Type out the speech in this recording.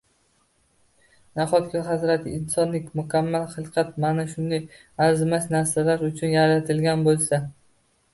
Nahotki hazrati insondek mukammal xilqat mana shunday arzimas narsalar uchun yaratilgan bo‘lsa?!